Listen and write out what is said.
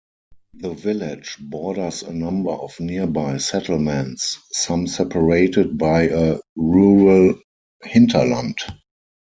The village borders a number of nearby settlements, some separated by a rural hinterland.